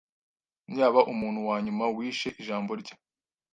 Yaba umuntu wanyuma wishe ijambo rye.